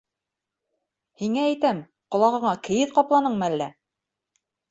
— Һиңә әйтәм, ҡолағыңа кейеҙ ҡапланыңмы әллә?